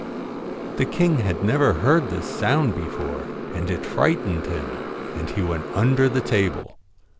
The king had never heard this sound before, and it frightened him, and he went under the table.